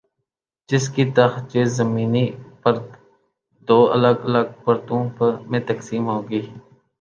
جس کی تحت یہ زمینی پرت دو الگ الگ پرتوں میں تقسیم ہوگی۔